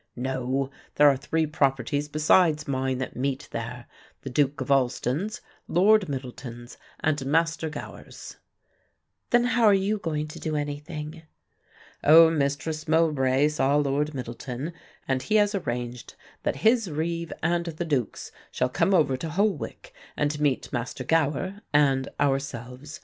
"No, there are three properties besides mine that meet there, the Duke of Alston's, Lord Middleton's and Master Gower's." "Then how are you going to do anything?" "Oh, Mistress Mowbray saw Lord Middleton, and he has arranged that his reeve and the Duke's shall come over to Holwick and meet Master Gower and ourselves.